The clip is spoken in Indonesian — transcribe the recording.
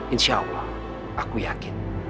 insya allah aku yakin